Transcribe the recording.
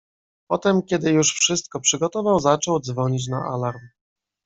"Potem kiedy już wszystko przygotował, zaczął dzwonić na alarm."